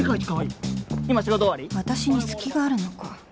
私に隙があるのか？